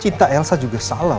cinta elsa juga salah ma